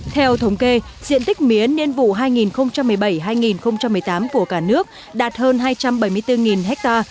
theo thống kê diện tích mía niên vụ hai nghìn một mươi bảy hai nghìn một mươi tám của cả nước đạt hơn hai trăm bảy mươi bốn ha